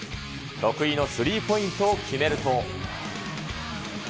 得意のスリーポイントを決めると。